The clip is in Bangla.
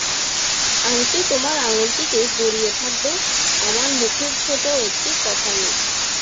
আংটি তোমার আঙুলটিকে জড়িয়ে থাকবে আমার মুখের ছোটো একটি কথার মতো।